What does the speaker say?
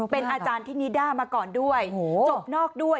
เป็นอาจารย์ที่นิด้ามาก่อนด้วยจบนอกด้วย